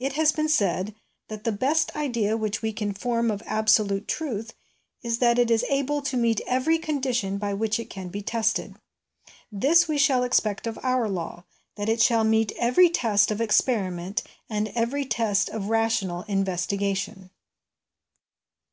It has been said that 'The best idea which we can form of absolute truth is that it is able to meet every condition by which it can be tested.' This we shall expect of our law that it shall meet every test of experiment and every test of rational investigation.